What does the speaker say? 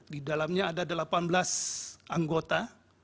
di dalamnya ada delapan belas anggota